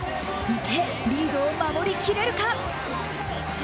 池江、リードを守りきれるか？